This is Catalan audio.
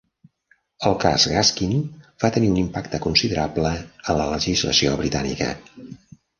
El cas Gaskin va tenir un impacte considerable a la legislació britànica.